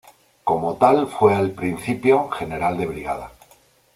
Como tal fue al principio general de brigada.